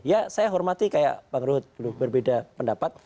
ya saya hormati kayak bang ruhut dulu berbeda pendapat